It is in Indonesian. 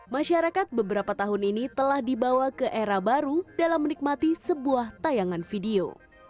masyarakat beberapa tahun ini telah dibawa ke era baru dalam menikmati sebuah tayangan video